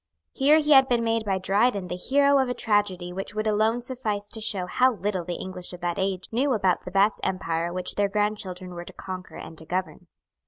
Here he had been made by Dryden the hero of a tragedy which would alone suffice to show how little the English of that age knew about the vast empire which their grandchildren were to conquer and to govern.